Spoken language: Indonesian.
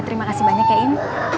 terima kasih sudah mampir